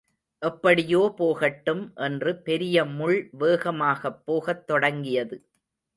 எப்படியோ போகட்டும் என்று பெரியமுள் வேகமாகப் போகத் தொடங்கியது.